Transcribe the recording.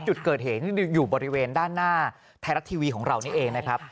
จุดเกิดเหตุที่อยู่บริเวณด้านหน้าไทยรัฐทีวีของเรานี่เองนะครับ